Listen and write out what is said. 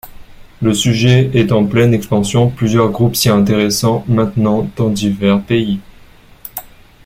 Le sujet est en pleine expansion, plusieurs groupes s’y intéressant maintenant dans divers pays.